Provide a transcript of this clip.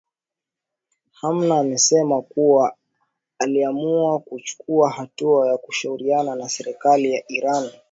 hna amesema kuwa aliamua kuchukua hatua ya kushauriana na serikali ya iran